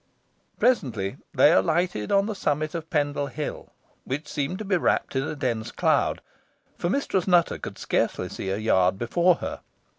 Presently they alighted on the summit of Pendle Hill, which seemed to be wrapped in a dense cloud, for Mistress Nutter could scarcely see a yard before her.